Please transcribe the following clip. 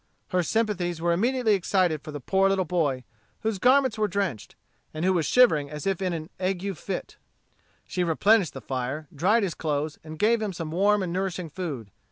Her sympathies were immediately excited for the poor little boy, whose garments were drenched, and who was shivering as if in an ague fit. She replenished the fire, dried his clothes, and gave him some warm and nourishing food.